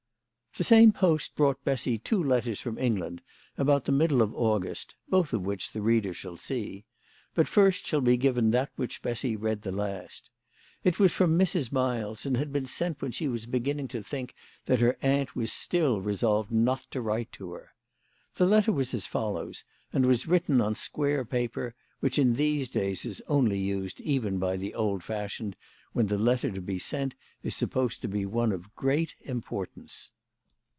THE same post brought Bessy two letters from England about the middle of August, both of which the reader shall see ; but first shall be given that which Bessy read the last. It was from Mrs. Miles, and had been sent when she was beginning to think that her aunt was still resolved not to write to her. The letter was as follow^, and was written on square paper, which in these days is only used even by the old fashioned when the. letter to be sent is supposed to be one of great importance.